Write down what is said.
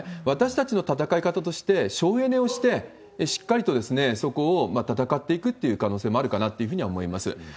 私たちの戦い方として、省エネをして、しっかりとそこを戦っていくっていう可能性もあるかなというふうには思います。